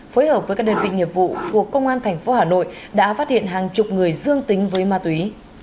phối hợp với các đơn vị nghiệp vụ thuộc công an thành phố hà nội đã phát hiện hàng chục người dương tính với ma túy